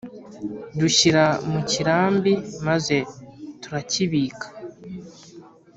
Dushyira mu kirambi maze turakibika